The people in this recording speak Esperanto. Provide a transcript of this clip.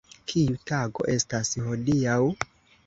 Kiu tago estas hodiaŭ?